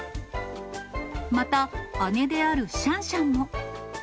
また、姉であるシャンシャンも。